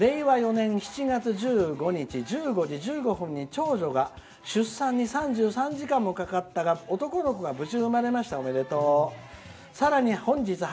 ４年７月１５日１５時１５分に長女が出産に３３時間もかかったが男の子が無事生まれました」。